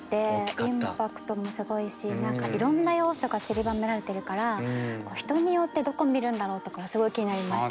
インパクトもすごいし何かいろんな要素がちりばめられてるから人によってどこ見るんだろうとかすごい気になりました。